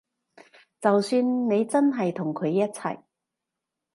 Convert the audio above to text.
就算你真係同佢一齊